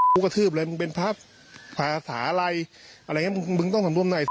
ขุกกดทืบเลยมึงเป็นพระสาอาลัยอะไรงี้มึงต้องสำรวมหน่อย